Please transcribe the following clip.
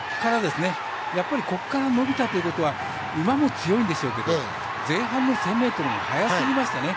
ここから伸びたということは馬も強いんですけど前半の１０００ｍが速すぎましたね。